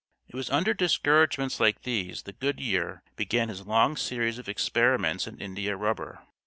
It was under discouragements like these that Goodyear began his long series of experiments in India rubber.